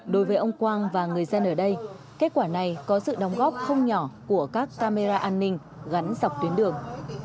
đối với ông quang và người dân ở đây kết quả này có sự đóng góp không nhỏ của các camera an ninh gắn dọc tuyến đường